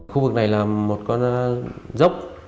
khu vực này là một con dốc